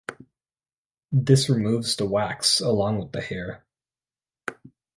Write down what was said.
This removes the wax along with the hair.